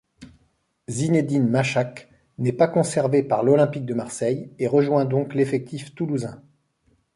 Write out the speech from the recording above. Zinédine Machach n'est pas conservé par l'Olympique de Marseille, et rejoint donc l'effectif toulousain.